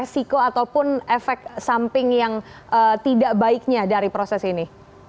resiko ataupun efek samping yang tidak baiknya dari proses ini